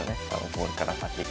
これから先。